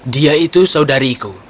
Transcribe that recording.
dia itu saudariku